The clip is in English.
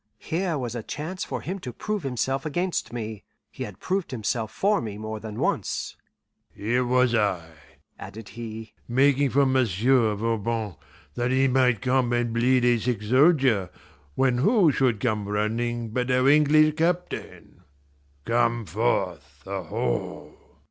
Here was a chance for him to prove himself against me; he had proved himself for me more than once. "Here was I," added he, "making for M'sieu' Voban, that he might come and bleed a sick soldier, when who should come running but our English captain! Come forth, aho!"